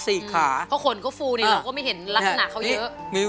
เพราะขนเขาฟูนี่เราก็ไม่เห็นลักษณะเขาเยอะ